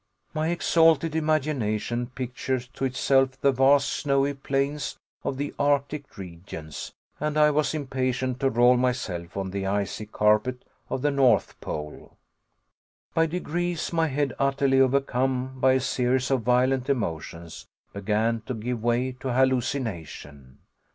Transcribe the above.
My exalted imagination pictured to itself the vast snowy plains of the arctic regions, and I was impatient to roll myself on the icy carpet of the North Pole. By degrees my head, utterly overcome by a series of violent emotions, began to give way to hallucination.